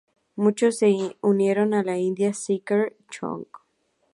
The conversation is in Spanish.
Muchos se unieron a la Indian Shaker Church.